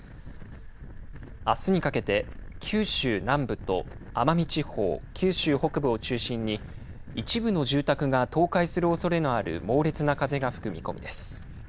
あすにかけて、九州南部と奄美地方、九州北部を中心に、一部の住宅が倒壊するおそれのある猛烈な風が吹く見込みです。